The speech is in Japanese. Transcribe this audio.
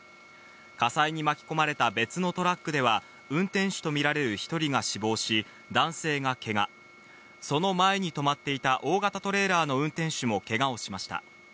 火災に巻き込まれた別のトラックでは運転手とみられる１人が死亡し、男性がけが、その前に止まっていた大型トレーラーの運転手もけがをしました。